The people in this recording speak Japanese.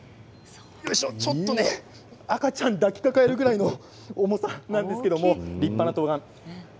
赤ちゃんを抱きかかえるぐらいの重さなんですけれども立派なとうがん。